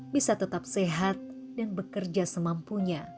bisa tetap sehat dan bekerja semampunya